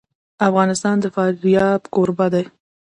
افغانستان د فاریاب کوربه دی.